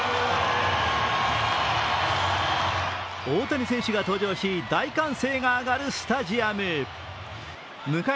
大谷選手が登場し大歓声が上がるスタジアム。